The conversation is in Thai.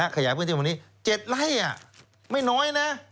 ขยายพื้นที่วันนี้๗ไร่ไม่น้อยนะ